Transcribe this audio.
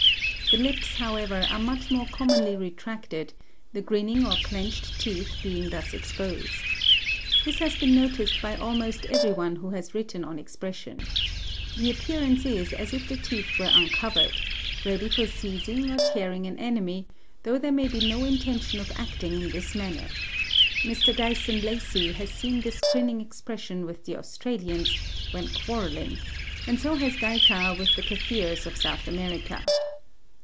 The lips, however, are much more commonly retracted, the grinning or clenched teeth being thus exposed. This has been noticed by almost every one who has written on expression. The appearance is as if the teeth were uncovered, ready for seizing or tearing an enemy, though there may be no intention of acting in this manner. Mr. Dyson Lacy has seen this grinning expression with the Australians, when quarrelling, and so has Gaika with the Kafirs of South America.